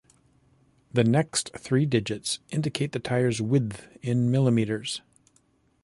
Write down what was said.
The next three digits indicate the tire's width in millimeters.